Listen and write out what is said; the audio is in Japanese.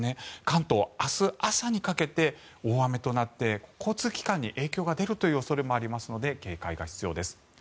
関東、明日朝にかけて大雨となって交通機関に影響が出るという恐れもありますので警戒が必要です。